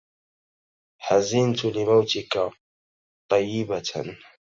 حزنت لموتك طيبة